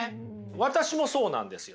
私もそうなんですよ。